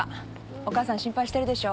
お母さん心配してるでしょ。